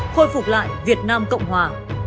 khôi phục lại việt nam cộng hòa